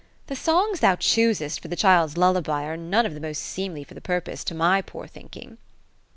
The songs thoii choosest for tlie child's lullab}'. are none of the most seemly for the purpose, to my poor thinking."